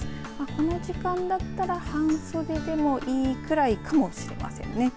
この時間だったら半袖でもいいくらいかもしれませんね。